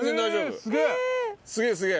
すげえ、すげえ。